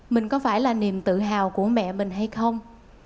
mình có phải là niềm tự hào của mẹ mình hay không